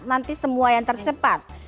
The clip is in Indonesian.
nanti semua yang tercepat